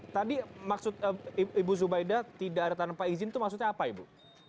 tadi maksud ibu zubaida tidak ada tanpa izin itu maksudnya apa ibu